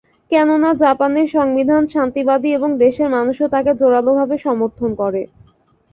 কেননা, জাপানের সংবিধান শান্তিবাদী এবং দেশের মানুষও তাকে জোরালোভাবে সমর্থন করে।